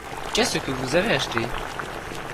Qu'est-ce que vous avez acheté ?